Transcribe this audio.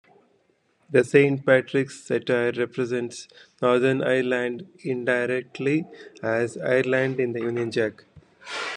The Saint Patrick's Saltire represents Northern Ireland indirectly as Ireland in the Union Jack.